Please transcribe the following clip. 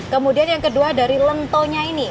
kemudian yang kedua dari lentonya ini